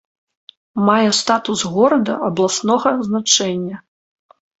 Мае статус горада абласнога значэння.